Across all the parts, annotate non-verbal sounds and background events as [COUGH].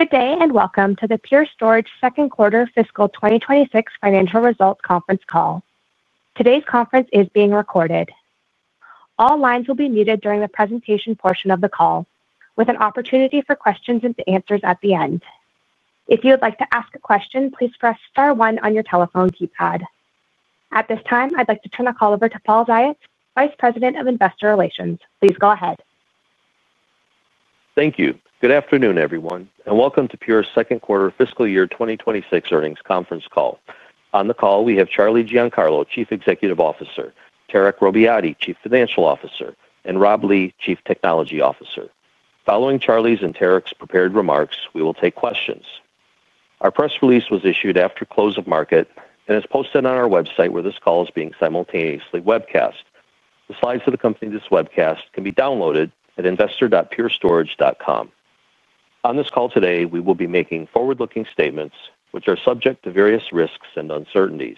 Good day and welcome to the Pure Storage Second Quarter Fiscal 2026 Financial Results Conference Call. Today's conference is being recorded. All lines will be muted during the presentation portion of the call with an opportunity for questions and answers at the end. If you would like to ask a question, please press star one on your telephone keypad. At this time, I'd like to turn the call over to Paul Ziots, Vice President of Investor Relations. Please go ahead. Thank you. Good afternoon everyone and welcome to Pure Storage second quarter fiscal year 2026 earnings conference call. On the call we have Charlie Giancarlo, Chief Executive Officer, Tarek Robbiati, Chief Financial Officer, and Rob Lee, Chief Technology Officer. Following Charlie's and Tarek's prepared remarks, we will take questions. Our press release was issued after close of market and is posted on our website where this call is being simultaneously webcast. The slides that accompany this webcast can be downloaded at investor.PureStorage.com. On this call today we will be making forward-looking statements which are subject to various risks and uncertainties.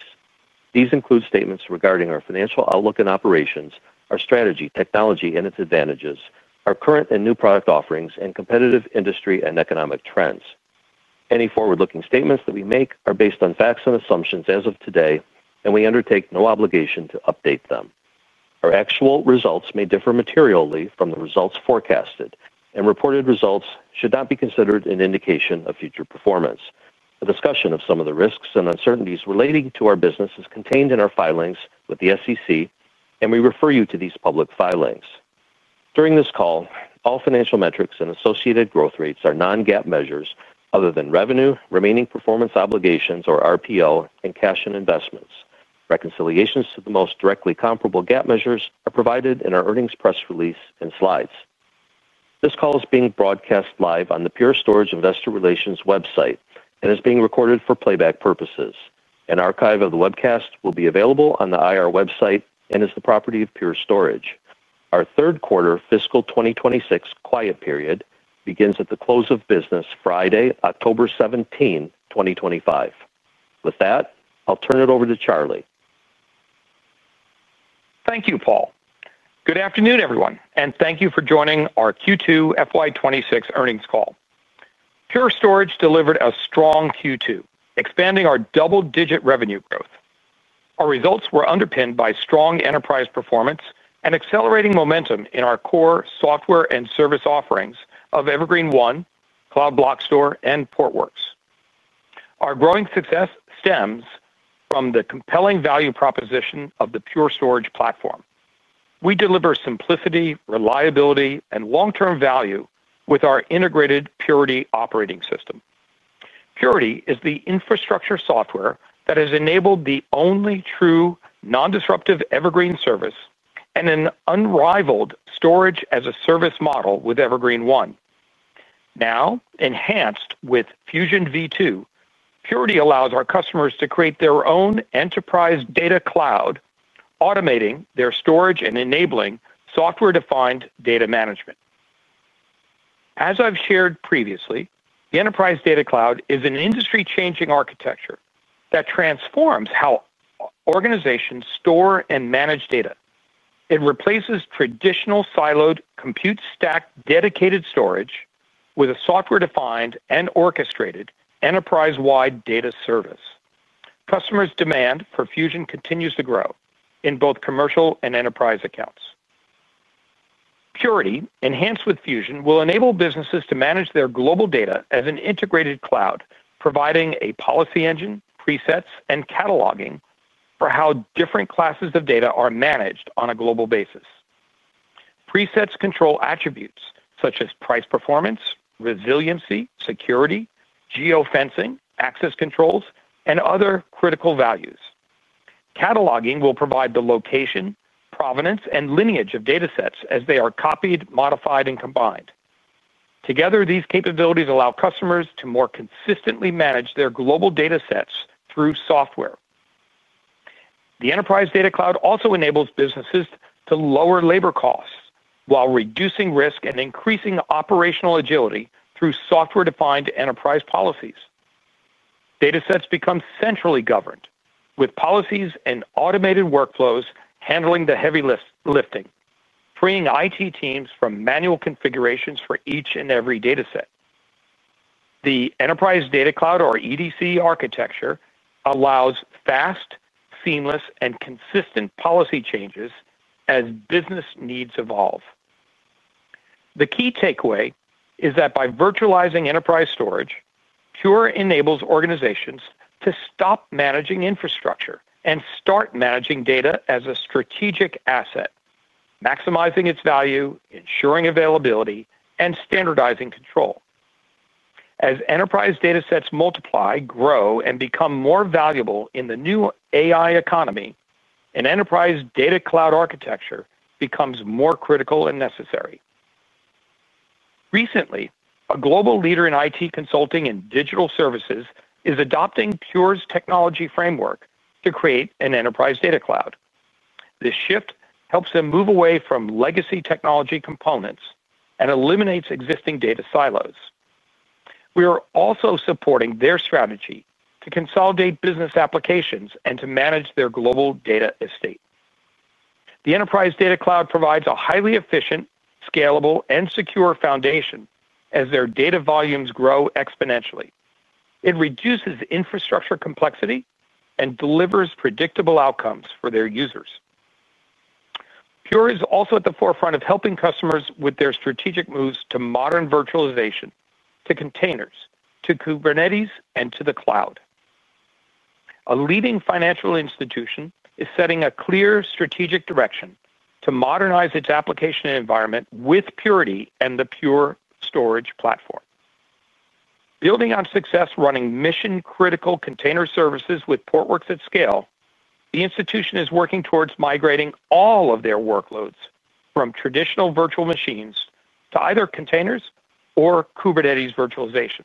These include statements regarding our financial outlook and operations, our strategy, technology and its advantages, our current and new product offerings, and competitive industry and economic trends. Any forward-looking statements that we make are based on facts and assumptions as of today and we undertake no obligation to update them. Our actual results may differ materially from the results forecasted and reported results should not be considered an indication of future performance. A discussion of some of the risks and uncertainties relating to our business is contained in our filings with the SEC and we refer you to these public filings during this call. All financial metrics and associated growth rates are non-GAAP measures other than revenue, remaining performance obligations or RPO, and cash and investments. Reconciliations to the most directly comparable GAAP measures are provided in our earnings press release and slides. This call is being broadcast live on the Pure Storage Investor Relations website and is being recorded for playback purposes. An archive of the webcast will be available on the IR website and is the property of Pure Storage. Our third quarter fiscal 2026 quiet period begins at the close of business Friday, October 17th, 2025. With that, I'll turn it over to Charlie. Thank you, Paul. Good afternoon, everyone, and thank you for joining our Q2 FY 2026 Earnings Call. Pure Storage delivered a strong Q2, expanding our double-digit revenue growth. Our results were underpinned by strong enterprise performance and accelerating momentum in our core software and service offerings of Evergreen//One, Cloud Block Store, and Portworx. Our growing success stems from the compelling value proposition of the Pure Storage platform. We deliver simplicity, reliability, and long-term value with our integrated purity operating system. Purity is the infrastructure software that has enabled the only true non-disruptive Evergreen service and an unrivaled storage-as-a-service model with Evergreen//One, now enhanced with Fusion V2. Purity allows our customers to create their own enterprise data cloud, automating their storage and enabling software-defined data management. As I've shared previously, the enterprise data cloud is an industry-changing architecture that transforms how organizations store and manage data. It replaces traditional siloed compute stack dedicated storage with a software-defined and orchestrated enterprise-wide data service. Customers' demand for Fusion continues to grow in both commercial and enterprise accounts. Purity enhanced with Fusion will enable businesses to manage their global data as an integrated cloud, providing a policy engine, presets, and cataloging for how different classes of data are managed on a global basis. Presets control attributes such as price, performance, resiliency, security, geofencing, access controls, and other critical values. Cataloging will provide the location, provenance, and lineage of data sets as they are copied, modified, and combined. Together, these capabilities allow customers to more consistently manage their global data sets through software. The enterprise data cloud also enables businesses to lower labor costs while reducing risk and increasing operational agility. Through software-defined enterprise policies, datasets become centrally governed with policies and automated workflows handling the heavy lifting, freeing IT teams from manual configurations for each and every data set. The Enterprise Data Cloud, or EDC architecture, allows fast, seamless, and consistent policy changes as business needs evolve. The key takeaway is that by virtualizing enterprise storage, Pure enables organizations to stop managing infrastructure and start managing data as a strategic asset, maximizing its value, ensuring availability and standardizing control. As enterprise data sets multiply, grow and become more valuable in the new AI economy, an enterprise data cloud architecture becomes more critical and necessary. Recently, a global leader in IT consulting and digital services is adopting Pure's technology framework to create an enterprise data cloud. This shift helps them move away from legacy technology components and eliminates existing data silos. We are also supporting their strategy to consolidate business applications and to manage their global data estate. The enterprise data cloud provides a highly efficient, scalable and secure foundation. As their data volumes grow exponentially, it reduces infrastructure complexity and delivers predictable outcomes for their users. Pure Storage is also at the forefront of helping customers with their strategic moves to modern virtualization, to containers, to Kubernetes and to the cloud. A leading financial institution is setting a clear strategic direction to modernize its application environment with Purity and the Pure Storage platform. Building on success, running mission critical container services with Portworx at scale, the institution is working towards migrating all of their workloads from traditional virtual machines to either containers or Kubernetes virtualization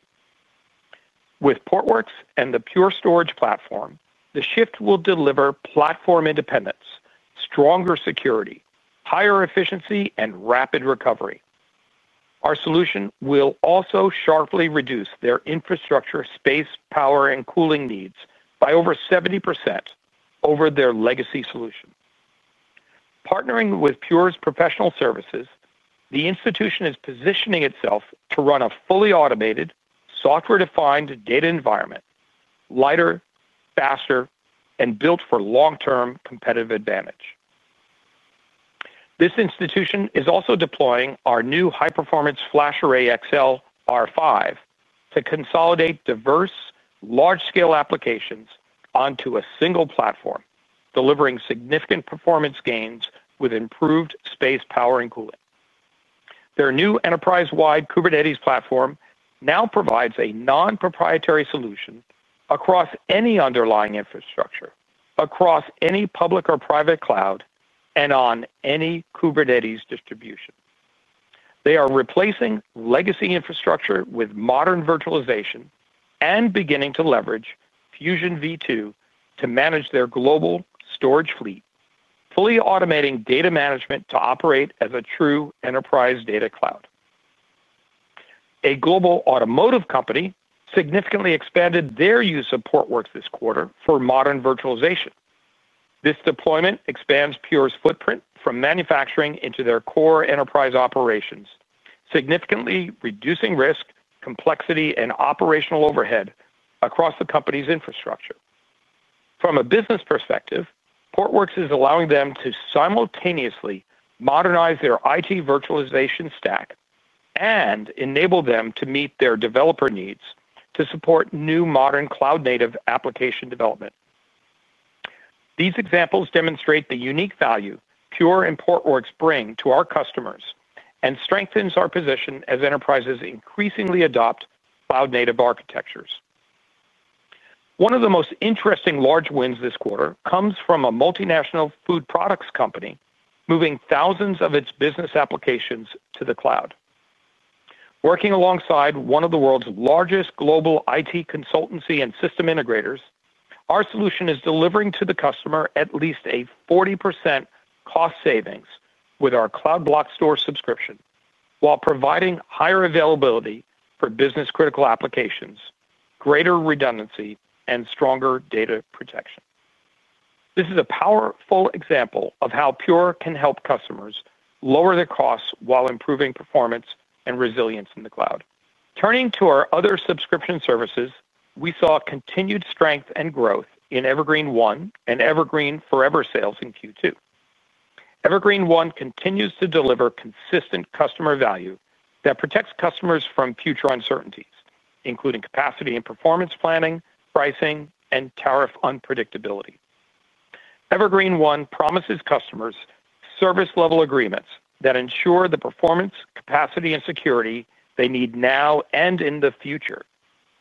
with Portworx and the Pure Storage platform. The shift will deliver platform independence, stronger security, higher efficiency and rapid recovery. Our solution will also sharply reduce their infrastructure space, power and cooling needs by over 70% over their legacy solution. Partnering with Pure's professional services, the institution is positioning itself to run a fully automated software defined data environment, lighter, faster and built for long term competitive advantage. This institution is also deploying our new high performance FlashArray//XL R5 to consolidate diverse large scale applications onto a single platform, delivering significant performance gains with improved space, power and cooling. Their new enterprise wide Kubernetes platform now provides a non proprietary solution across any underlying infrastructure, across any public or private cloud and on any Kubernetes distribution. They are replacing legacy infrastructure with modern virtualization and beginning to leverage Fusion V2 to manage their global storage fleet, fully automating data management to operate as a true enterprise data cloud. A global automotive company significantly expanded their use of Portworx this quarter for modern virtualization. This deployment expands Pure's footprint from manufacturing into their core enterprise operations, significantly reducing risk, complexity, and operational overhead across the company's infrastructure. From a business perspective, Portworx is allowing them to simultaneously modernize their IT virtualization stack and enable them to meet their developer needs to support new modern cloud native application development. These examples demonstrate the unique value Pure and Portworx bring to our customers and strengthen our position as enterprises increasingly adopt cloud native architectures. One of the most interesting large wins this quarter comes from a multinational food products company moving thousands of its business applications to the cloud. Working alongside one of the world's largest global IT consultancy and system integrators, our solution is delivering to the customer at least a 40% cost savings with our Cloud Block Store subscription while providing higher availability for business critical applications, greater redundancy, and stronger data protection. This is a powerful example of how Pure can help customers lower their costs while improving performance and resilience in the cloud. Turning to our other subscription services, we saw continued strength and growth in Evergreen//One and Evergreen//Forever sales in Q2. Evergreen//One continues to deliver consistent customer value that protects customers from future uncertainties, including capacity and performance planning, pricing, and tariff unpredictability. Evergreen//One promises customers service level agreements that ensure the performance, capacity, and security they need now and in the future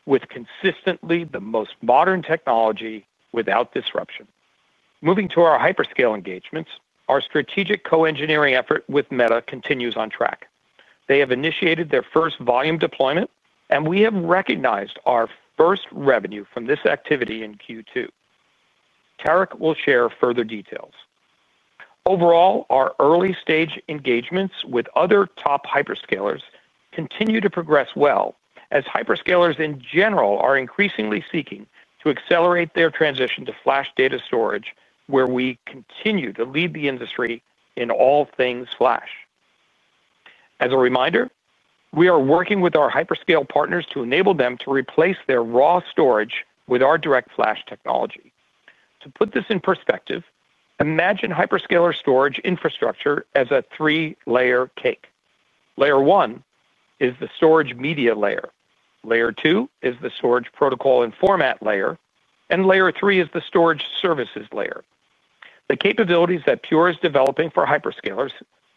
with consistently the most modern technology without disruption. Moving to our hyperscale engagements, our strategic co-engineering effort with Meta continues on track. They have initiated their first volume deployment and we have recognized our first revenue from this activity in Q2. Tarek will share further details. Overall, our early stage engagements with other top hyperscalers continue to progress well as hyperscalers in general are increasingly seeking to accelerate their transition to flash data storage where we continue to lead the industry in all things Flash. As a reminder, we are working with our hyperscale partners to enable them to replace their raw storage with our DirectFlash technology. To put this in perspective, imagine hyperscaler storage infrastructure as a three layer cake. Layer one is the storage media layer, layer two is the storage protocol and format layer, and layer three is the storage services layer. The capabilities that Pure is developing for hyperscalers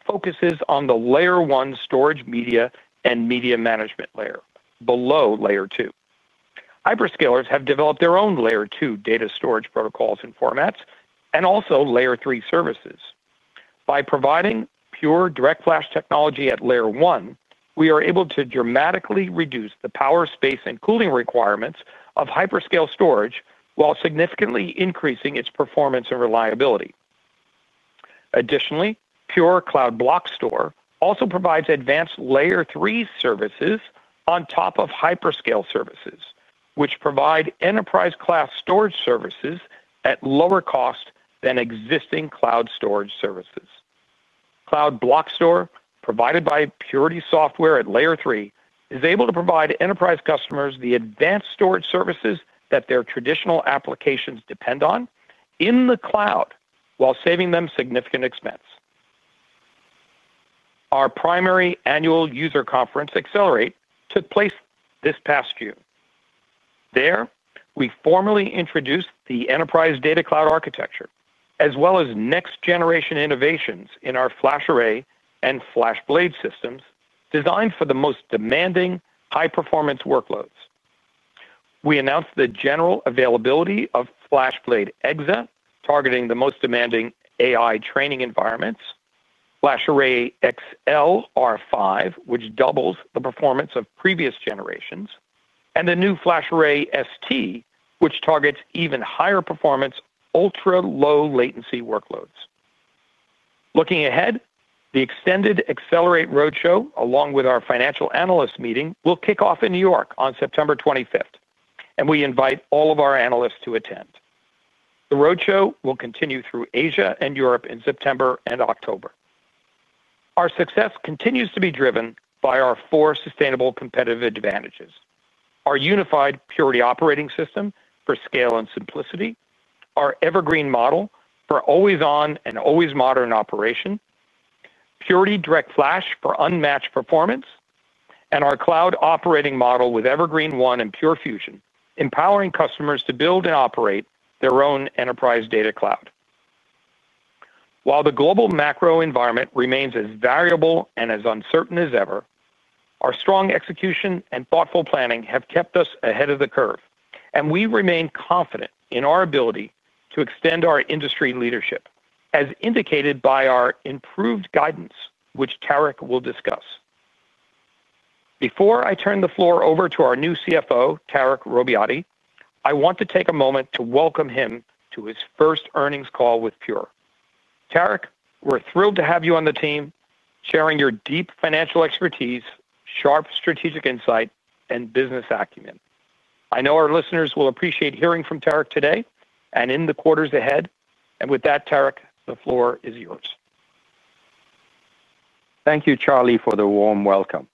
focuses on the layer one storage media and media management layer. Below layer two, hyperscalers have developed their own layer two data storage protocols and formats and also layer three services. By providing Pure DirectFlash technology at layer one, we are able to dramatically reduce the power, space, and cooling requirements of hyperscale storage while significantly increasing its performance and reliability. Additionally, Pure Cloud Block Store also provides advanced layer three services on top of hyperscale services, which provide enterprise class storage services at lower cost than existing cloud storage services. Cloud Block Store, provided by Purity operating system at layer three, is able to provide enterprise customers the advanced storage services that their traditional applications depend on in the cloud while saving them significant expense. Our primary annual user conference Accelerate took place this past June. There we formally introduced the enterprise data cloud architecture as well as next generation innovations in our FlashArray and FlashBlade systems designed for the most demanding high performance workloads. We announced the general availability of FlashBlade//EXA targeting the most demanding AI training environments, FlashArray//XL R5, which doubles the performance of previous generations, and the new FlashArray//ST which targets even higher performance ultra low latency workloads. Looking ahead, the extended Accelerate roadshow along with our financial analyst meeting will kick off in New York on September 25th and we invite all of our analysts to attend. The roadshow will continue through Asia and Europe in September and October. Our success continues to be driven by our four sustainable competitive advantages: our unified Purity operating system for scale and simplicity, our Evergreen model for always-on and always-modern operation, Purity DirectFlash for unmatched performance, and our cloud operating model with Evergreen//One and Pure Fusion, empowering customers to build and operate their own enterprise data cloud. While the global macro environment remains as variable and as uncertain as ever, our strong execution and thoughtful planning have kept us ahead of the curve, and we remain confident in our ability to extend our industry leadership as indicated by our improved guidance, which Tarek will discuss. Before I turn the floor over to our new CFO, Tarek Robbiati, I want to take a moment to welcome him to his first earnings call with Pure. Tarek, we're thrilled to have you on the team, sharing your deep financial expertise, sharp strategic insight, and business acumen. I know our listeners will appreciate hearing from Tarek today and in the quarters ahead. With that, Tarek, the floor is yours. Thank you, Charlie, for the warm welcome.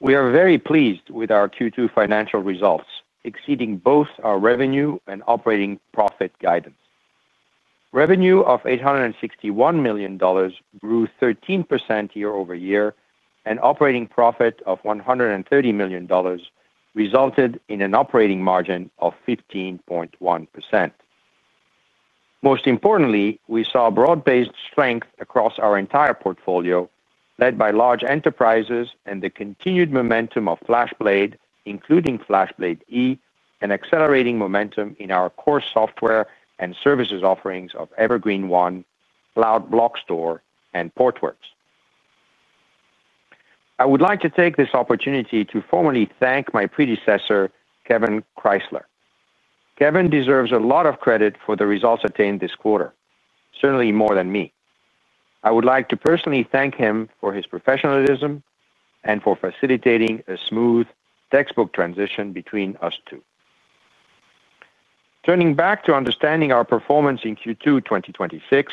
We are very pleased with our Q2 financial results exceeding both our revenue and operating profit guidance. Revenue of $861 million grew 13% year-over-year, and operating profit of $130 million resulted in an operating margin of 15.1%. Most importantly, we saw broad-based strength across our entire portfolio led by large enterprises and the continued momentum of FlashBlade, including FlashBlade//E, and accelerating momentum in our core software and services offerings of Evergreen//One, Cloud Block Store, and Portworx. I would like to take this opportunity to formally thank my predecessor, Kevan Krysler. Kevan deserves a lot of credit for the results attained this quarter, certainly more than me. I would like to personally thank him for his professionalism and for facilitating a smooth, textbook transition between us two. Turning back to understanding our performance in Q2 2026,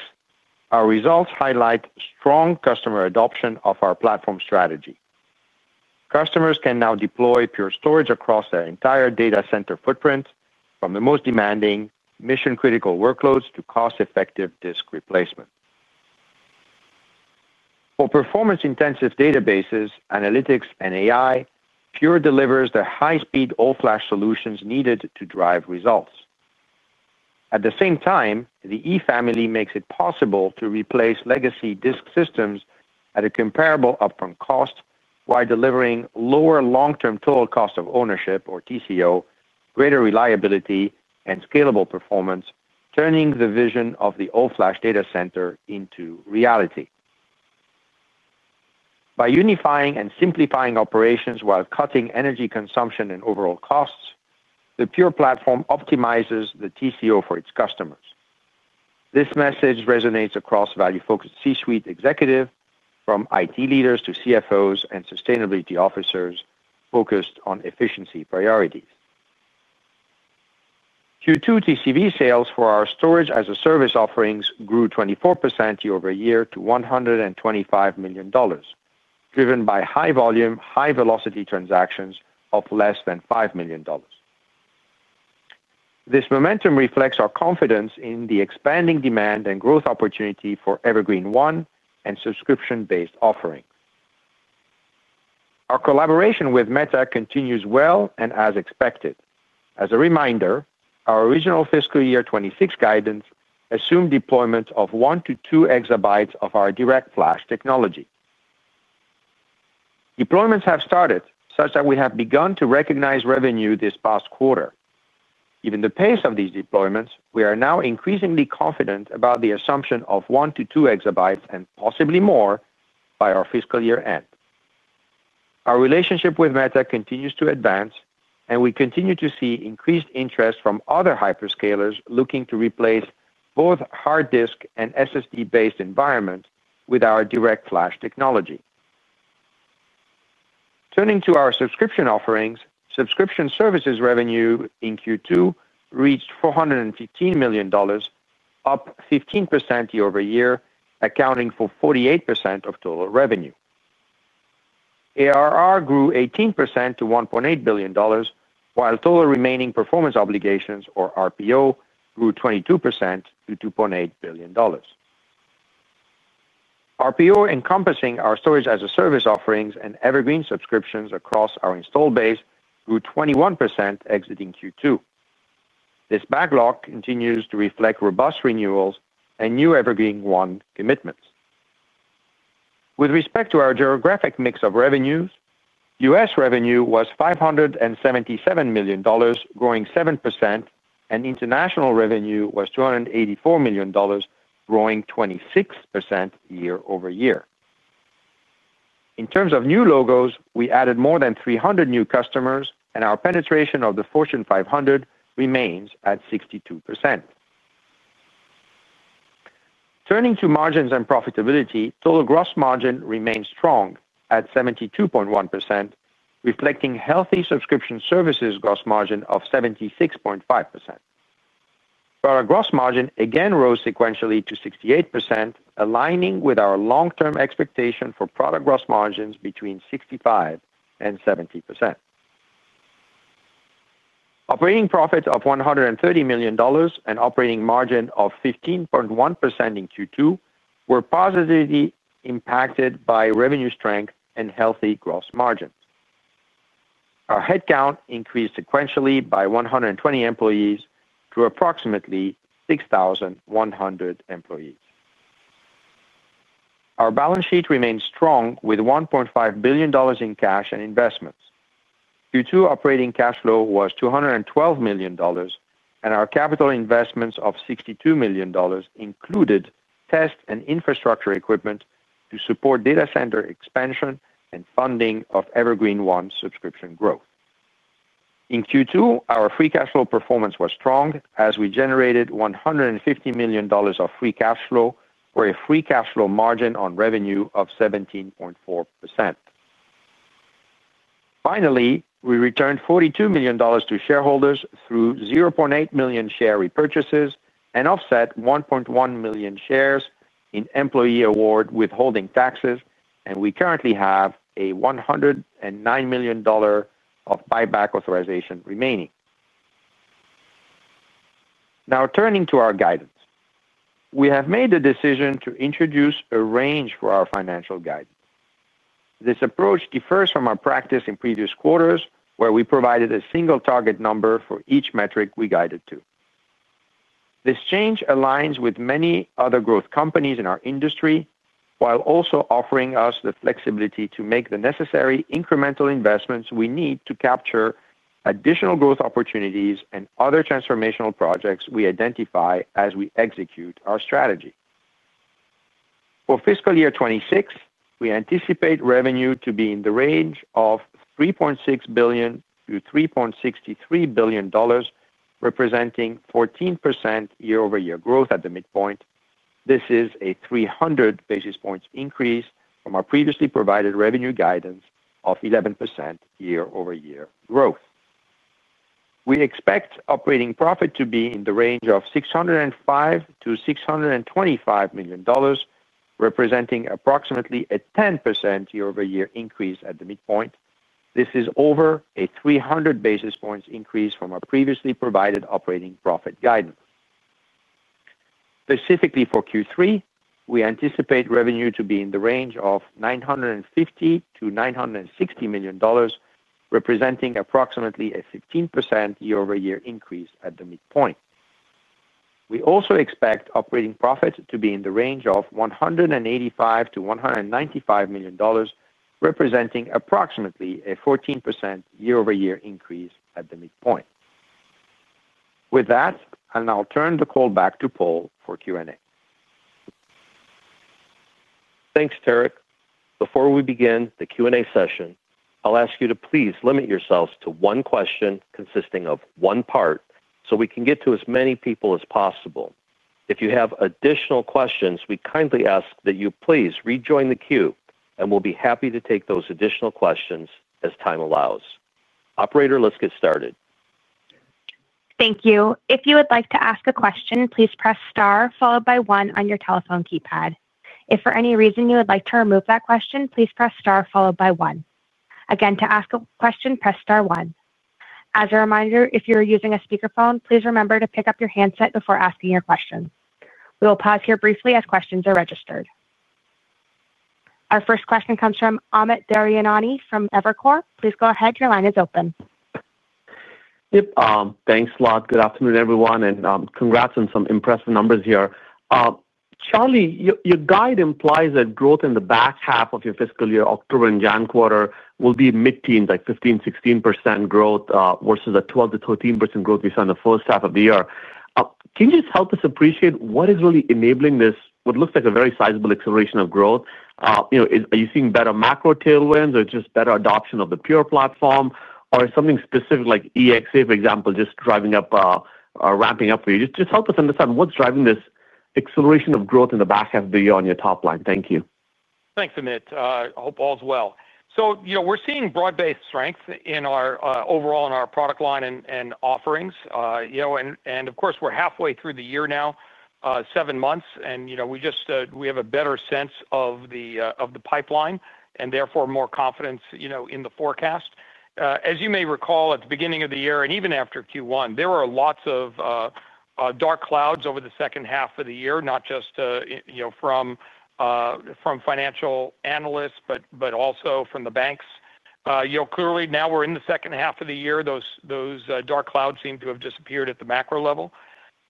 our results highlight strong customer adoption of our platform strategy. Customers can now deploy Pure Storage across their entire data center footprint, from the most demanding mission-critical workloads to cost-effective disk replacement. For performance intensive databases, analytics and AI, Pure delivers the high-speed all-flash solutions needed to drive results. At the same time, the E family makes it possible to replace legacy disk systems at a comparable upfront cost while delivering lower long-term total cost of ownership, or TCO, greater reliability, and scalable performance. Turning the vision of the all-flash data center into reality by unifying and simplifying operations while cutting energy consumption and overall costs, the Pure platform optimizes the TCO for its customers. This message resonates across value-focused C-suite executives from IT leaders to CFOs and sustainability officers focused on efficiency priorities. Q2 TCV sales for our storage-as-a-service offerings grew 24% year-over-year to $125 million, driven by high volume, high velocity transactions of less than $5 million. This momentum reflects our confidence in the expanding demand and growth opportunity for Evergreen//One and subscription based offering. Our collaboration with Meta continues well and as expected. As a reminder, our original fiscal year 2026 guidance assumed deployment of 1 EB-2 EB of our DirectFlash technology. Deployments have started such that we have begun to recognize revenue this past quarter. Given the pace of these deployments, we are now increasingly confident about the assumption of 1 EB-2 EB and possibly more by our fiscal year end. Our relationship with Meta continues to advance and we continue to see increased interest from other hyperscalers looking to replace both hard disk and SSD based environments with our DirectFlash technology. Turning to our subscription offerings, subscription services revenue in Q2 reached $415 million, up 15% year-over-year, accounting for 48% of total revenue. ARR grew 18% to $1.8 billion while total remaining performance obligations, or RPO, grew 22% to $2.8 billion. RPO, encompassing our storage-as-a-service offerings and Evergreen subscriptions across our installed base, grew 21%. Exiting Q2, this backlog continues to reflect robust renewals and new Evergreen//One commitments. With respect to our geographic mix of revenues, U.S. revenue was $577 million, growing 7%, and international revenue was $284 million, growing 26% year-over-year. In terms of new logos, we added more than 300 new customers and our penetration of the Fortune 500 remains at 62%. Turning to margins and profitability, total gross margin remains strong at 72.1%, reflecting healthy subscription services gross margin of 76.5%. Product gross margin again rose sequentially to 68%, aligning with our long term expectation for product gross margins between 65% and 70%. Operating profit of $130 million and operating margin of 15.1% in Q2 were positively impacted by revenue strength and healthy gross margins. Our headcount increased sequentially by 120 employees to approximately 6,100 employees. Our balance sheet remained strong with $1.5 billion in cash and investments. Q2 operating cash flow was $212 million and our capital investments of $62 million included test and infrastructure equipment to support data center expansion and funding of Evergreen//One subscription growth. In Q2, our free cash flow performance was strong as we generated $150 million of free cash flow for a free cash flow margin on revenue of 17.4%. Finally, we returned $42 million to shareholders through 0.8 million share repurchases and offset 1.1 million shares in employee award withholding taxes, and we currently have $109 million of buyback authorization remaining. Now, turning to our guidance, we have made the decision to introduce a range for our financial guidance. This approach differs from our practice in previous quarters, where we provided a single target number for each metric we guided to. This change aligns with many other growth companies in our industry, while also offering us the flexibility to make the necessary incremental investments we need to capture additional growth opportunities and other transformational projects we identify as we execute our strategy. For fiscal year 2026, we anticipate revenue to be in the range of $3.6 billion-$3.63 billion, representing 14% year-over-year growth at the midpoint. This is a 300 basis points increase from our previously provided revenue guidance of 11% year-over-year growth. We expect operating profit to be in the range of $605 million-$625 million, representing approximately a 10% year-over-year increase at the midpoint. This is over a 300 basis points increase from our previously provided operating profit guidance. Specifically for Q3, we anticipate revenue to be in the range of $950 million-$960 million, representing approximately a 15% year-over-year increase at the midpoint. We also expect operating profit to be in the range of $185 million-$195 million, representing approximately a 14% year-over-year increase at the midpoint. With that, I'll now turn the call back to Paul for Q and A. Thanks Tarek. Before we begin the Q and A session, I'll ask you to please limit yourselves to one question consisting of one part so we can get to as many people as possible. If you have additional questions, we kindly ask that you please rejoin the queue, and we'll be happy to take those additional questions as time allows. Operator, let's get started. Thank you. If you would like to ask a question, please press star followed by one on your telephone keypad. If for any reason you would like to remove that question, please press star followed by one again. To ask a question, press star one. As a reminder, if you're using a speakerphone, please remember to pick up your handset before asking your question. We will pause here briefly as questions are registered. Our first question comes from Amit Daryanani from Evercore. Please go ahead. Your line is open. Yep, thanks a lot. Good afternoon everyone, and congrats on some impressive numbers here. Charlie, your guide implies that growth in the back half of your fiscal year. October and January quarter will be mid. Teens like 15%-16% growth versus a 12%-13% growth we saw in the first half of the year. Can you just help us appreciate what is really enabling this, what looks like a very sizable acceleration of growth? Are you seeing better macro tailwinds or just better adoption of the Pure platform or something specific like FlashBlade//EXA, for example, just driving up, ramping up for you? Just help us understand what's driving this acceleration of growth in the back half of the year on your top line. Thank you. Thanks, Amit. Hope all's well. We're seeing broad-based strength overall in our product line and offerings, and of course we're halfway through the year now, seven months, and we just have a better sense of the pipeline and therefore more confidence in the forecast. As you may recall, at the beginning of the year and even after Q1, there were lots of dark clouds over the second half of the year, not just from financial analysts but also from the banks. Clearly, now we're in the second half of the year, those dark clouds seem to have disappeared at the macro level.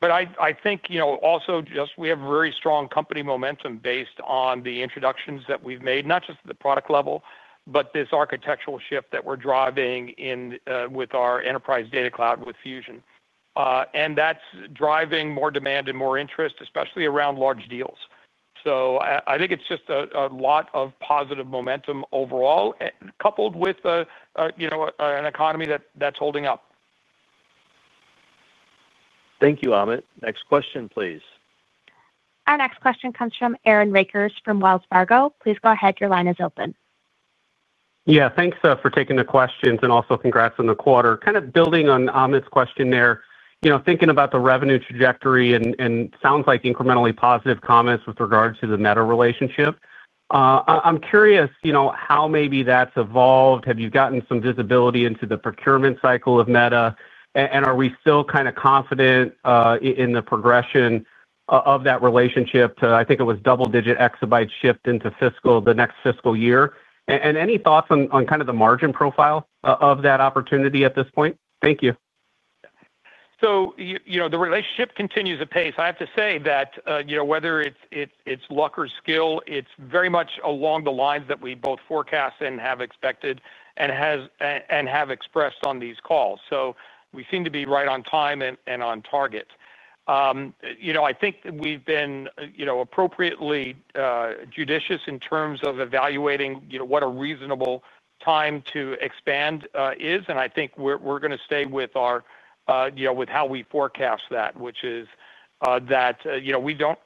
I think also we have very strong company momentum based on the introductions that we've made, not just at the product level, but this architectural shift that we're driving in with our enterprise data cloud with Fusion, and that's driving more demand and more interest, especially around large deals. I think it's just a lot of positive momentum overall, coupled with an economy that's holding up. Thank you, Amit. Next question, please. Our next question comes from Aaron Rakers from Wells Fargo. Please go ahead. Your line is open. Yeah, thanks for taking the questions and also congrats on the quarter. Kind of building on Amit's question there, you know, thinking about the revenue trajectory and sounds like incrementally positive comments with regards to the Meta relationship. I'm curious, you know, how maybe that's evolved. Have you gotten some visibility into the procurement cycle of Meta and are we still kind of confident in the progression of that relationship? I think it was double digit exabyte shift into the next fiscal year. Any thoughts on kind of the margin profile of that opportunity at this point? Thank you. The relationship continues apace. I have to say that, you know, whether it's luck or skill, it's very much along the lines that we both forecast and have expected and have expressed on these calls. We seem to be right on time and on target. I think we've been appropriately judicious in terms of evaluating what a reasonable time to expand is. I think we're going to stay with how we forecast that, which is that we don't,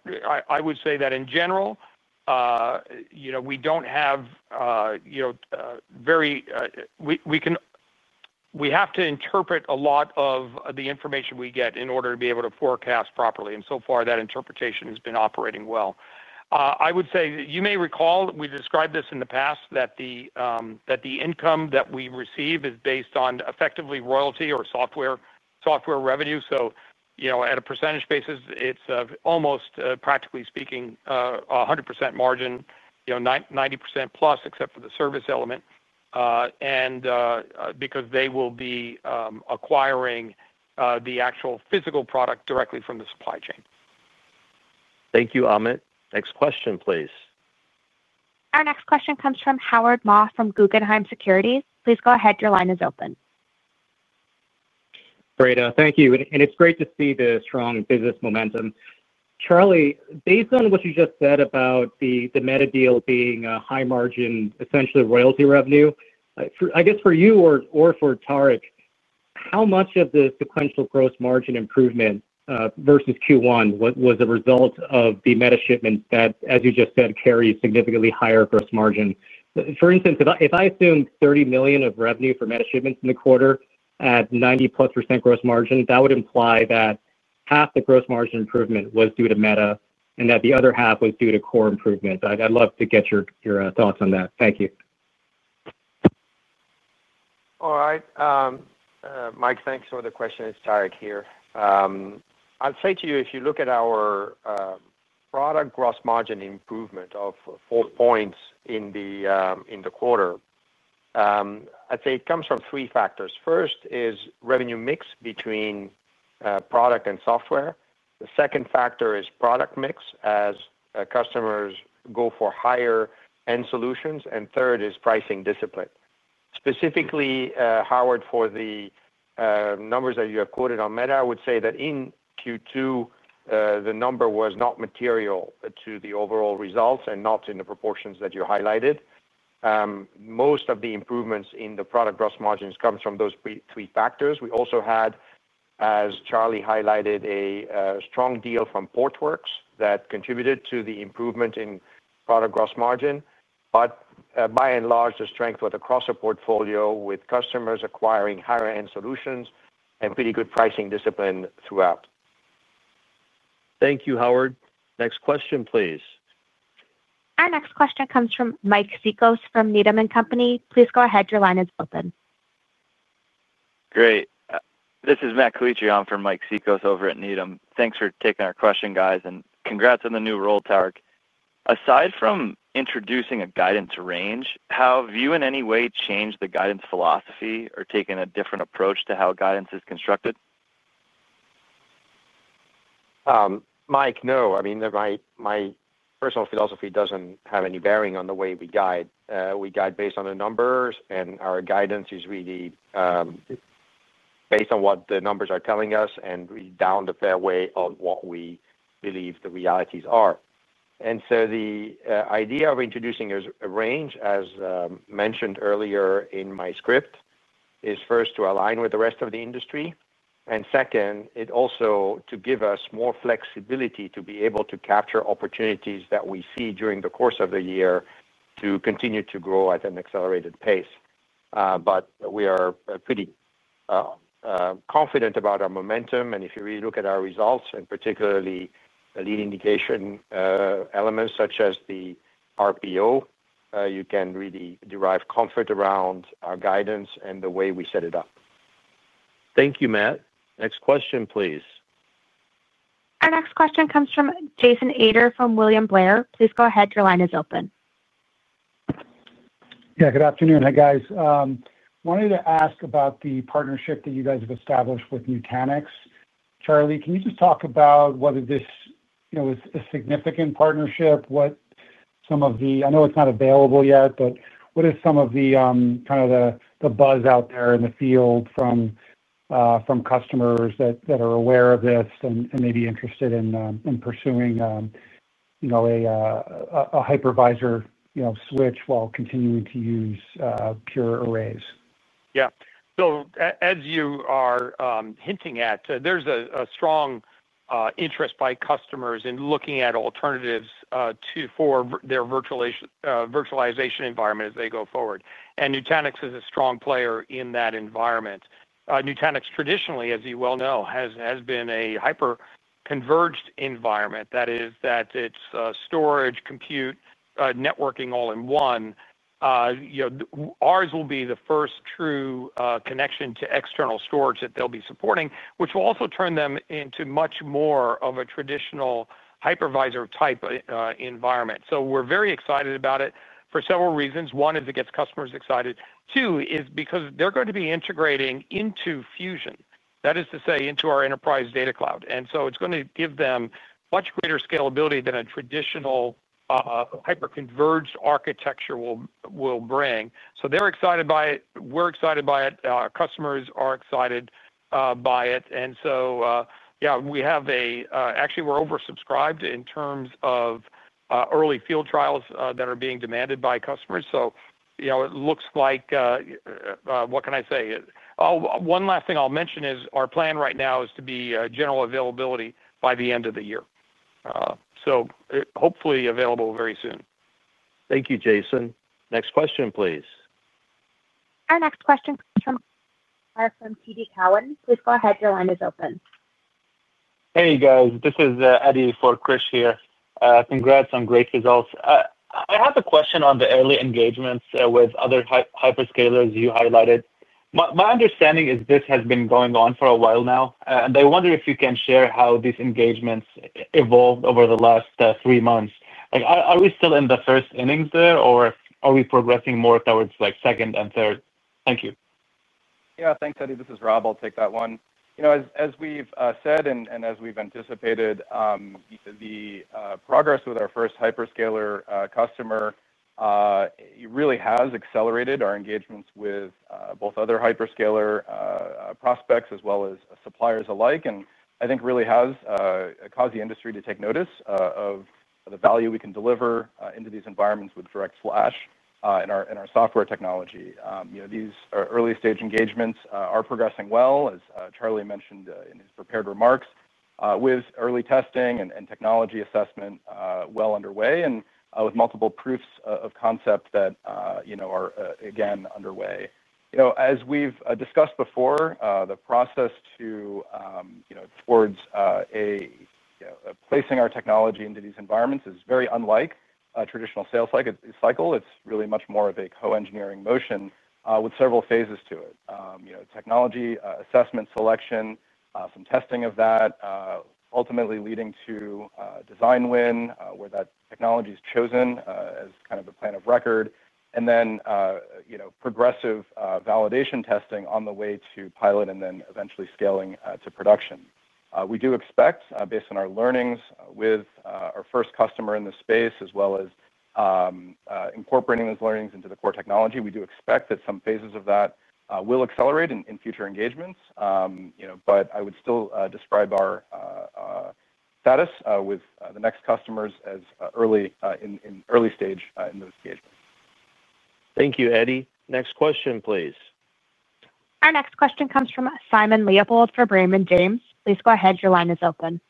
I would say that in general, we don't have very, we can, we have to interpret a lot of the information we get in order to be able to forecast properly. So far that interpretation has been operating well. You may recall we described this in the past, that the income that we receive is based on effectively royalty or software revenue. At a percentage basis it's almost practically speaking 100% margin, 90%+ except for the service element, and because they will be acquiring the actual physical product directly from the supply chain. Thank you, Amit. Next question, please. Our next question comes from Howard Ma from Guggenheim Securities. Please go ahead. Your line is open. Great, thank you. It's great to see the strong business momentum. Charlie, based on what you just said about the Meta deal being a high margin, essentially royalty revenue, I guess for you or for Tarek, how much of the sequential gross margin improvement versus Q1 was a result of the Meta shipment that, as you just said, carries significantly higher gross margin? For instance, if I assume $30 million of revenue for Meta shipments in the quarter at 90%+ gross margin, that would imply that half the gross margin improvement was due to Meta and that the other half was due to core improvements. I'd love to get your thoughts on that. Thank you. All right, (Mike), thanks for the question. It's Tarek here. I'll say to you, if you look at our product gross margin improvement of 4 points in the quarter, I'd say it comes from three factors. First is revenue mix between product and software. The second factor is product mix as customers go for higher end solutions. Third is pricing discipline. Specifically, Howard, for the numbers that you have quoted on Meta, I would say that in Q2 the number was not material to the overall results and not in the proportions that you highlighted. Most of the improvements in the product gross margins comes from those three factors. We also had, as Charlie highlighted, a strong deal from Portworx that contributed to the improvement in product gross margin. By and large, the strength of the broader portfolio with customers acquiring higher end solutions and pretty good pricing discipline throughout. Thank you, Howard. Next question, please. Our next question comes from Mike Cikos from Needham & Company. Please go ahead. Your line is open. Great. This is Matt Calitri. I'm from Mike Cikos over at Needham. Thanks for taking our question, guys. Congrats on the new role, Tarek. Aside from introducing a guidance range, have you in any way changed the guidance philosophy or taken a different approach to how guidance is constructed? No, I mean my personal philosophy doesn't have any bearing on the way we guide. We guide based on the numbers, and our guidance is really based on what the numbers are telling us and down the fairway of what we believe the realities are. The idea of introducing a range, as mentioned earlier in my script, is first to align with the rest of the industry, and second, it also gives us more flexibility to be able to capture opportunities that we see during the course of the year to continue to grow at an accelerated pace. We are confident about our momentum, and if you really look at our results and particularly lead indication elements such as the RPO, you can really derive comfort around our guidance and the way we set it up. Thank you, Matt. Next question, please. Our next question comes from Jason Ader from William Blair. Please go ahead, your line is open. Yeah, good afternoon. Hi guys. Wanted to ask about the partnership that you guys have established with Nutanix. Charlie, can you just talk about whether this is a significant partnership, what some of the, I know it's not available yet, but what is some of the kind of the buzz out there in the field from customers that are aware of this and maybe interested in pursuing a hypervisor switch while continuing to use Pure FlashArray. Yeah, as you are hinting at, there's a strong interest by customers in looking at alternatives for their virtualization environment as they go forward. Nutanix is a strong player in that environment. Nutanix traditionally, as you well know, has been a hyperconverged environment that is storage, compute, networking all in one. Ours will be the first true connection to external storage that they'll be supporting, which will also turn them into much more of a traditional hypervisor type environment. We're very excited about it for several reasons. One is it gets customers excited. Two is because they're going to be integrating into Fusion, that is to say into our enterprise data cloud. It's going to give them much greater scalability than a traditional hyperconverged architecture will bring. They're excited by it, we're excited by it, customers are excited by it. We have a, actually we're oversubscribed in terms of early field trials that are being demanded by customers. It looks like what I can say, one last thing I'll mention is our plan right now is to be availability by the end of the year. Hopefully available very soon. Thank you, Jason. Next question, please. Our next question is [AUDIO DISTORTION] from TD Cowen, please go ahead. Your line is open. Hey guys, this is Eddie for (Chris) here. Congrats on great results. I have a question on the early engagements with other hyperscalers you highlighted. My understanding is this has been going on for a while now and I wonder if you can share how these engagements evolved over the last three months. Are we still in the first innings? Are we progressing more towards like second and third? Thank you. Yeah, thanks, Eddy. This is Rob. I'll take that one. As we've said and as we've anticipated, the progress with our first hyperscale customer really has accelerated our engagements with both other hyperscale prospects as well as suppliers alike, and I think really has caused the industry to take notice of the value we can deliver into these environments with DirectFlash in our software technology. These early stage engagements are progressing well, as Charlie mentioned in his prepared remarks, with early testing and technology assessment well underway and with multiple proofs of concept that are again underway. As we've discussed before, the process towards placing our technology into these environments is very unlike a traditional sales cycle. It's really much more of a co-engineering motion with several phases to it: technology assessment, selection, some testing of that ultimately leading to design win, where that technology is chosen as kind of the plan of record, and then progressive validation, testing on the way to pilot, and then eventually scaling to production. We do expect, based on our learnings with our first customer in the space as well as incorporating those learnings into the core technology, that some phases of that will accelerate in future engagements, but I would still describe our status with the next customers as early, in early stage in those phases. Thank you, Eddy. Next question, please. Our next question comes from Simon Leopold from Raymond James, please go ahead. Your line is open.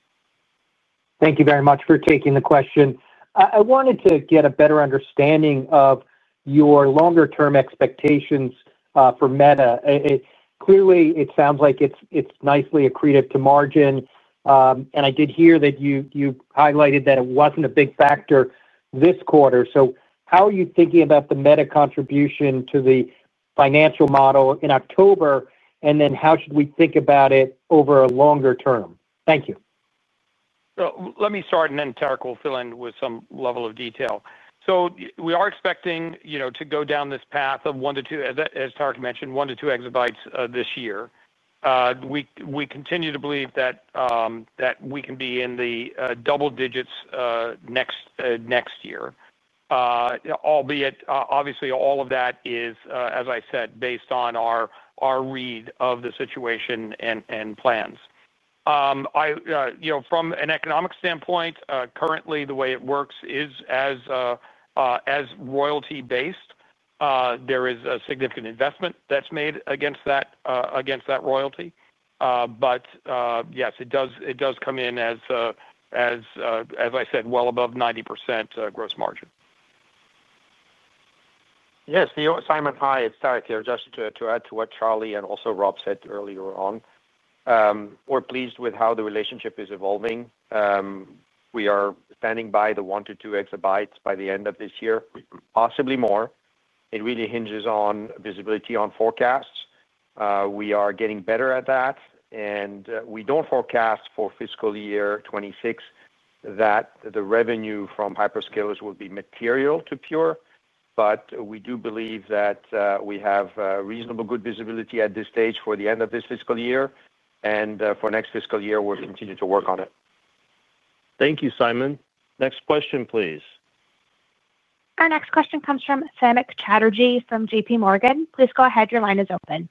Thank you very much for taking the question. I wanted to get a better understanding of your longer term expectations for Meta. Clearly, it sounds like it's nicely accretive to margin, and I did hear that you highlighted that it wasn't a big factor this quarter. How are you thinking about the Meta contribution to the financial model in October, and how should we think about it over a longer term? Thank you. Let me start and then Tarek will fill in with some level of detail. We are expecting to go down this path of 1 EB-2 EB, as Tarek mentioned, 1 EB-2 EB this year. We continue to believe that we can be in the double digits next year, albeit obviously all of that is, as I said, based on our read of the situation and plans from an economic standpoint. Currently, the way it works is as royalty based. There is a significant investment that's made against that, against that royalty. Yes, it does come in, as I said, well above 90% gross margin. Yes, (Theo). Simon, hi, it's Tarek here. Just to add to what Charlie and also Rob said earlier on, we're pleased with how the relationship is evolving. We are standing by the 1 EB-2 EB by the end of this year, possibly more. It really hinges on visibility, on forecasts. We are getting better at that and we don't forecast for fiscal year 2026 that the revenue from hyperscalers will be material to Pure. We do believe that we have reasonably good visibility at this stage for the end of this fiscal year and for next fiscal year. We'll continue to work on it. Thank you, Simon. Next question, please. Our next question comes from Samik Chatterjee from JPMorgan. Please go ahead. Your line is open.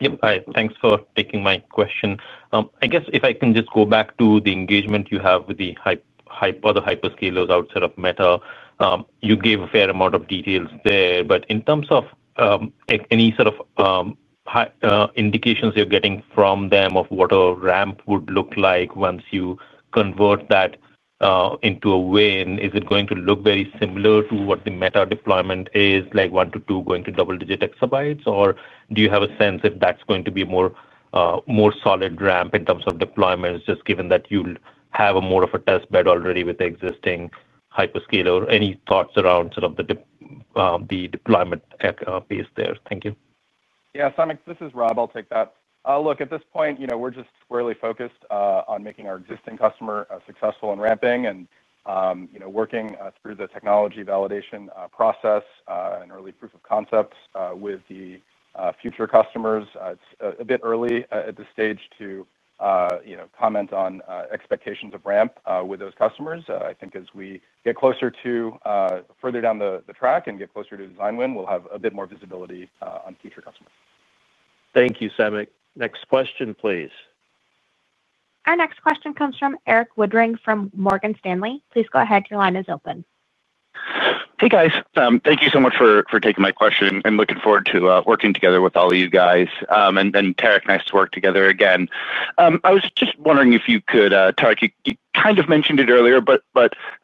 Yep. Hi. Thanks for taking my question. I guess if I can just go back to the engagement you have with the hyperscalers outside of Meta. You gave a fair amount of details there, but in terms of any sort of indications you're getting from them of what a ramp would look like once you convert that into a way, is it going to look very similar to what the Meta deployment is, like 1 EB-2 EB going to double digit exabytes, or do you have a sense if that's going to be more solid ramp in terms of deployments just given that you have more of a test bed already with existing hyperscaler? Any thoughts around sort of the deployment phase there? Thank you. Yeah, Samik, this is Rob. I'll take that. At this point, you know, we're just squarely focused on making our existing customers successful in ramping and working through the technology validation process and early proof of concepts with the future customers. It's a bit early at this stage to comment on expectations of ramp with those customers. I think as we get further down the track and get closer to design win, we'll have a bit more visibility on future customers. Thank you, Samik. Next question, please. Our next question comes from Erik Woodring from Morgan Stanley. Please go ahead. Your line is open. Hey guys, thank you so much for taking my question. Looking forward to it working together with all you guys. Tarek, nice to work together again. I was just wondering if you could. Tarek, you kind of mentioned it earlier, but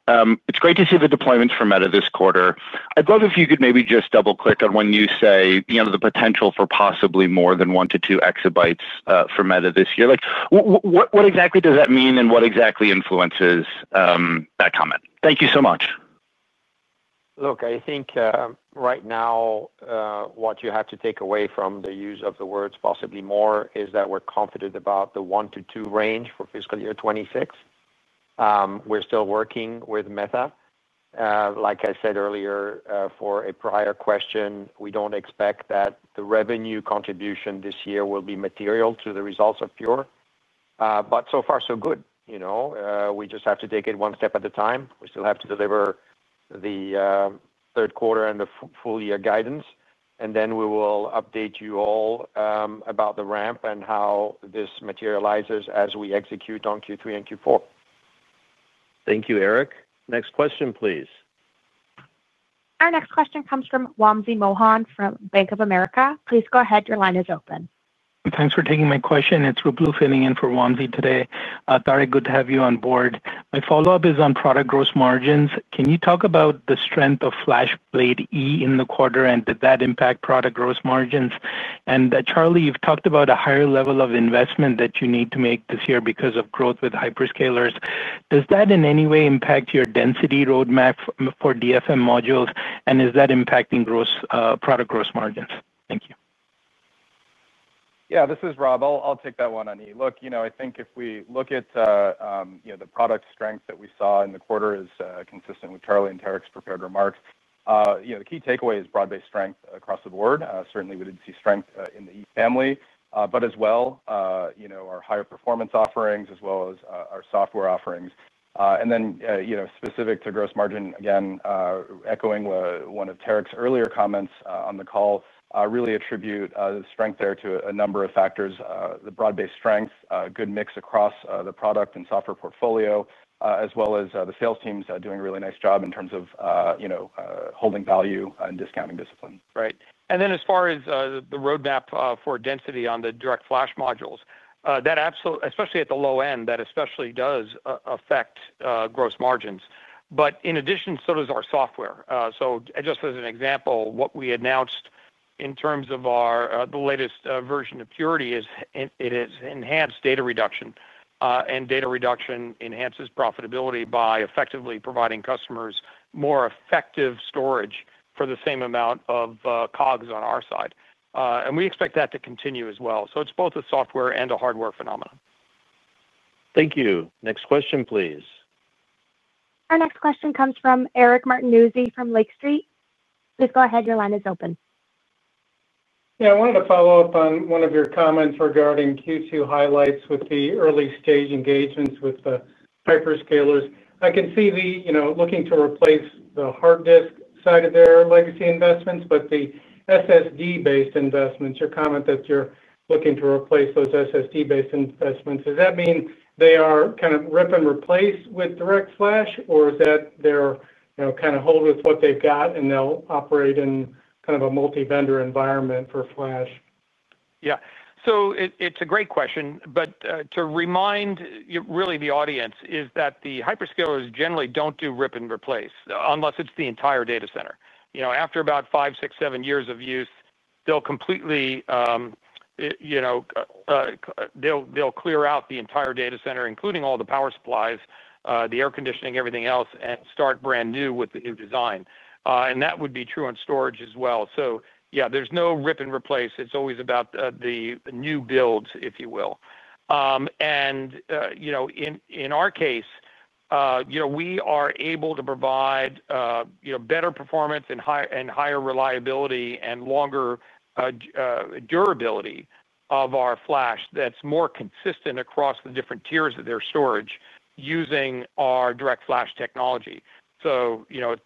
it's great to see the deployments. For Meta this quarter, I'd love if you could maybe just double-click on. When you say the potential for possibly more than 1 EB-2 EB. Meta this year, like what exactly does that mean and what exactly influences that comment? Thank you so much. Look, I think right now what you have to take away from the use of the words possibly more is that we're confident about the 1 EB-2 EB range for fiscal year 2026. We're still working with Meta. Like I said earlier for a prior question, we don't expect that the revenue contribution this year will be material to the results of Pure. So far so good. You know, we just have to take it one step at a time. We still have to deliver the third quarter and the full year guidance, and then we will update you all about the ramp and how this materializes as we execute on Q3 and Q4. Thank you, Erik. Next question, please. Our next question comes from Wamsi Mohan from Bank of America. Please go ahead. Your line is open. Thanks for taking my question. It's Ruplu filling in for Wamsi today. Tarek, good to have you on board. My follow up is on product gross margins. Can you talk about the strength of FlashBlade//E in the quarter, and did that impact product gross margins? Charlie, you've talked about a higher level of investment that you need to make this year because of growth with hyperscalers. Does that in any way impact your density roadmap for DFM modules, and does that impact product gross margins? Thank you. Yeah, this is Rob. I'll take that one. Look, I think if we look at the product strength that we saw in the quarter, it is consistent with Charlie and Tarek's prepared remarks. The key takeaway is broad-based strength across the board. Certainly, we did see strength in the family, but as well, our higher performance offerings as well as our software offerings. Then, specific to gross margin, again echoing one of Tarek's earlier comments on the call, we really attribute the strength there to a number of factors. The broad-based strength, good mix across the product and software portfolio, as well as the sales teams doing a really nice job in terms of holding value and discounting discipline. Right. As far as the roadmap for density on the DirectFlash modules, that absolutely, especially at the low end, does affect gross margins. In addition, so does our software. For example, what we announced in terms of the latest version of Purity, it has enhanced data reduction, and data reduction enhances profitability by effectively providing customers more effective storage for the same amount of COGS on our side. We expect that to continue as well. It is both a software and a hardware phenomenon. Thank you. Next question, please. Our next question comes from Eric Martinuzzi from Lake Street. Please go ahead. Your line is open. Yeah, I wanted to follow up on one of your comments regarding Q2 highlights with the early stage engagements with the hyperscalers. I can see the, you know, looking to replace the hard disk side of their legacy investments, but the SSD-based investments, your comment that you're looking to replace those SSD-based investments, does that mean they are kind of rip and replace with DirectFlash or is that they're kind of hold with what they've got and they'll operate in kind of a multi-vendor environment for Flash? Yeah, it's a great question, but to remind really the audience is that the hyperscalers generally don't do rip and replace unless it's the entire data center. You know, after about five years, six years, seven years of use they'll completely, you know, they'll clear out the entire data center, including all the power supplies, the air conditioning, everything else and start brand new with the new design. That would be true on storage as well. Yeah, there's no rip and replace. It's always about the new build, if you will. In our case, we are able to provide better performance and higher and higher reliability and longer durability of our Flash that's more consistent across the different tiers of their storage using our DirectFlash technology.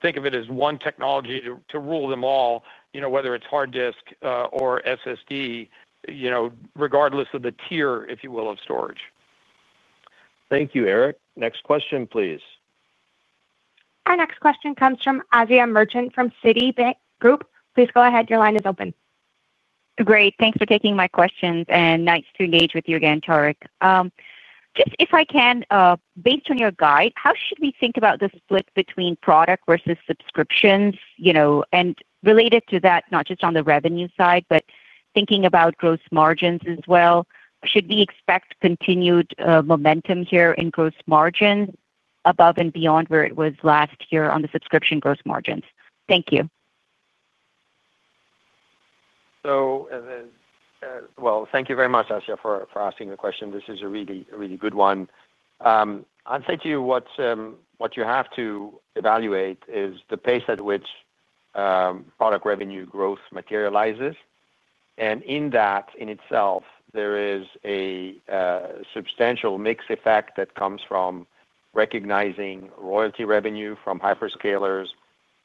Think of it as one technology to rule them all, whether it's hard disk or SSD, regardless of the tier, if you will, of storage. Thank you, Eric. Next question, please. Our next question comes from Asiya Merchant from Citigroup. Please go ahead. Your line is open. Great, thanks for taking my questions and nice to engage with you again, Tarek. Just if I can, based on your guide, how should we think about the split between product versus subscriptions, and related to that, not just on the revenue side but thinking about gross margins as well, should we expect continued momentum here in gross margin above and beyond where it was last year on the subscription gross margins. Thank you. So, Thank you very much, Asiya, for asking the question. This is a really, really good one. I'll say to you, what you have to evaluate is the pace at which product revenue growth materializes. In that in itself, there is a substantial mix effect that comes from recognizing loyalty revenue from hyperscalers,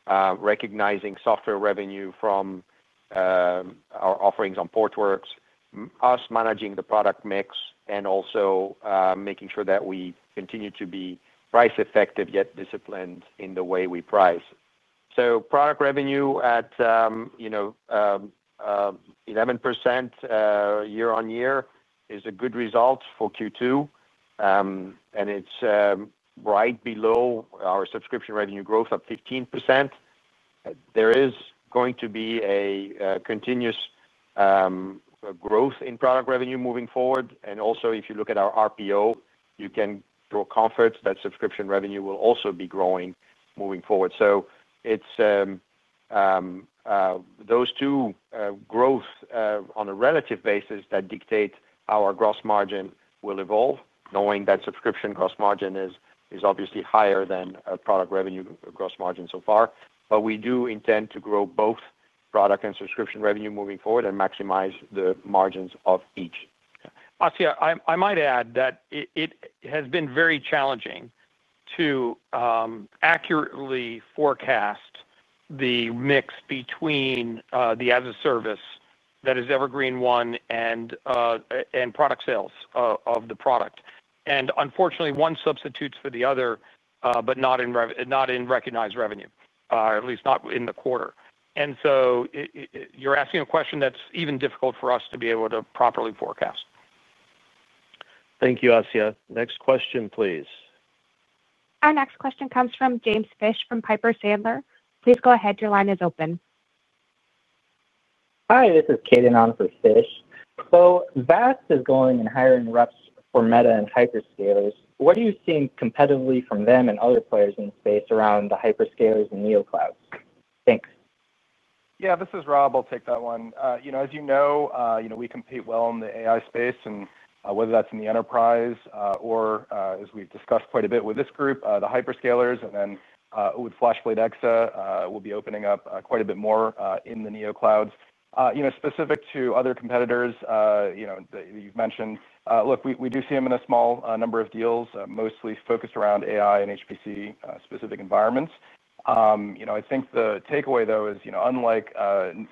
recognizing software revenue from our offerings on Portworx, managing the product mix, and also making sure that we continue to be price effective, yet disciplined in the way we price. Product revenue at 11% year-over-year is a good result for Q2, and it's right below our subscription revenue growth, up 15%. There is going to be a continuous growth in product revenue moving forward. If you look at our RPO, you can draw comfort that subscription revenue will also be growing moving forward. It's those two growths on a relative basis that dictate how our gross margin will evolve, knowing that subscription gross margin is obviously higher than product revenue gross margin so far. We do intend to grow both product and subscription revenue moving forward and maximize the margins of each. Asiya, I might add that it has been very challenging to accurately forecast the mix between the storage-as-a-service that is Evergreen//One and product sales of the product. Unfortunately, one substitutes for the other, but not in recognized revenue, at least not in the quarter. You're asking a question that's even difficult for us to be able to properly forecast. Thank you, Asiya. Next question, please. Our next question comes from James Fish from Piper Sandler. Please go ahead. Your line is open. Hi, this is Caden on for Fish. Vast is going and hiring reps. For Meta and hyperscalers, what are you seeing competitively from them and other players in space around the deployments and neoclouds? Thanks. Yeah, this is Rob. I'll take that one. As you know, we compete well in the AI space, whether that's in the enterprise or, as we've discussed quite a bit with this group, the hyperscalers. With FlashBlade//EXA, we'll be opening up quite a bit more in the neoclouds. Specific to other competitors, you've mentioned, we do see them in a small number of deals, mostly focused around AI and HPC-specific environments. I think the takeaway though is, unlike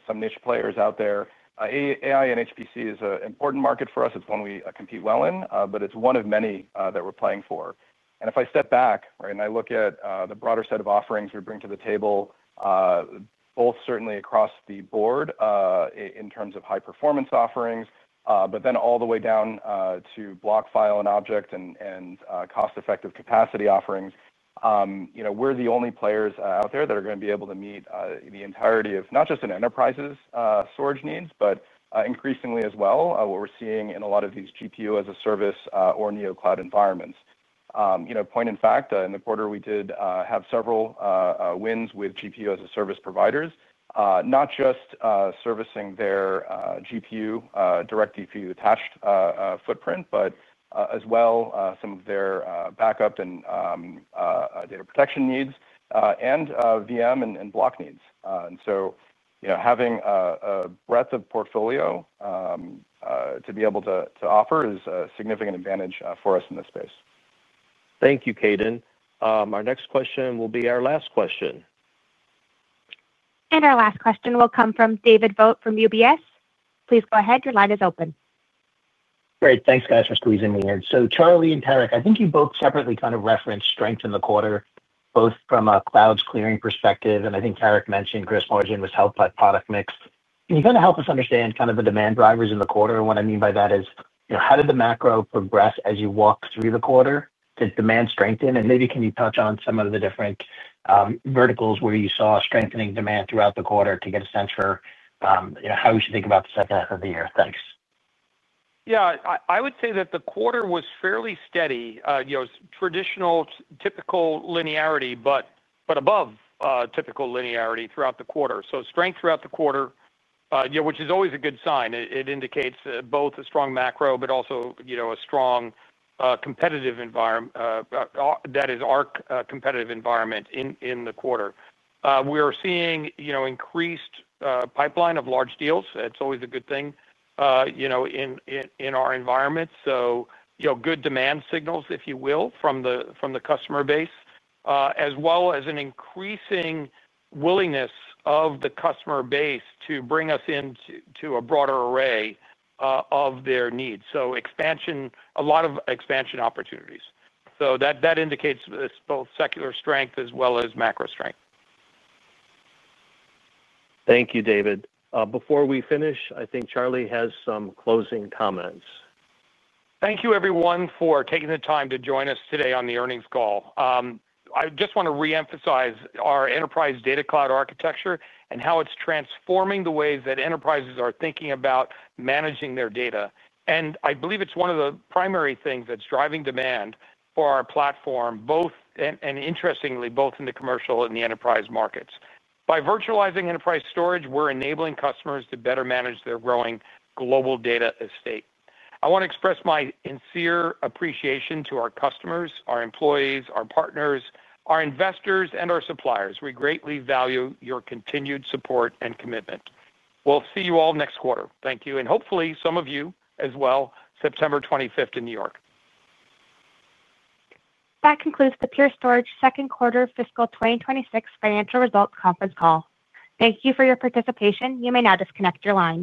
some niche players out there, AI and HPC is an important market for us. It's one we compete well in, but it's one of many that we're playing for. If I step back, right, and I look at the broader set of offerings we bring to the table, both certainly across the board in terms of high performance offerings, but then all the way down to block, file, and object and cost effective capacity offerings. You know, we're the only players out there that are going to be able to meet the entirety of not just an enterprise's storage needs, but increasingly as well, what we're seeing in a lot of these GPU as a service or neocloud environments. Point in fact, in the quarter we did have several wins with GPU as a service providers, not just servicing their GPU direct GPU attached footprint, but as well some of their backup and data protection needs and VM and block needs. Having a breadth of portfolio to be able to offer is a significant advantage for us in this space. Thank you, Caden. Our next question will be our last question. Our last question will come from David Vogt from UBS. Please go ahead. Your line is open. Great. Thanks, guys, for squeezing me in here. Charlie and Tarek, I think you. Both separately kind of referenced strength in the quarter, both from a cloud clearing perspective. I think Tarek mentioned gross margin was helped by product mix. Can you kind of help us understand kind of the demand drivers in the quarter and what I mean by that is, you know, how did the macro. Progress as you walk through the quarter? Did demand strengthen, and maybe can you touch on some of the different verticals where you saw strengthening demand throughout the quarter to get a sense for how we should think about the second half of the year? Thanks. Yeah, I would say that the quarter was fairly steady, traditional typical linearity, but above typical linearity throughout the quarter. Strength throughout the quarter, which is always a good sign, it indicates both a strong macro but also a strong competitive environment. That is our competitive environment in the quarter. We are seeing increased pipeline of large deals. That's always a good thing in our environment. Good demand signals, if you will, from the customer base as well as an increasing willingness of the customer base to bring us into a broader array of their needs. Expansion, a lot of expansion opportunities. That indicates both secular strength as well as macro strength. Thank you, David. Before we finish, I think Charlie has some closing comments. Thank you everyone for taking the time to join us today on the earnings call. I just want to reemphasize our enterprise data cloud architecture and how it's transforming the ways that enterprises are thinking about managing their data. I believe it's one of the primary things that's driving demand for our platform, both in the commercial and the enterprise markets. By virtualizing enterprise storage, we're enabling customers to better manage their growing global data estate. I want to express my sincere appreciation to our customers, our employees, our partners, our investors, and our suppliers. We greatly value your continued support and commitment. We'll see you all next quarter. Thank you, and hopefully some of you as well September 25th in New York. That concludes the Pure Storage Second Quarter, Fiscal 2026 Financial Results Conference Call. Thank you for your participation. You may now disconnect your lines.